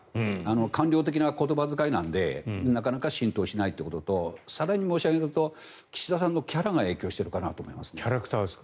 官僚的な言葉遣いなのでなかなか浸透しないということと更に申し上げると岸田さんのキャラが影響しているかなと思います。